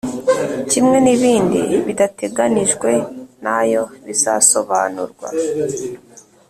Kimwe n ibindi bidateganijwe nayo bizasobanurwa